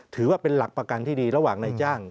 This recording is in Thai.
ถือว่าเป็นหลักประกันที่ดีระหว่างนายจ้าง